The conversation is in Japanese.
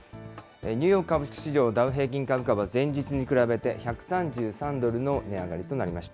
ニューヨーク株式市場、ダウ平均株価は前日に比べて１３３ドルの値上がりとなりました。